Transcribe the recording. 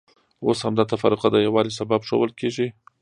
اوس همدا تفرقه د یووالي سبب ښودل کېږي.